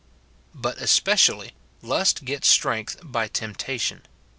But especially, lust gets strength by temptation.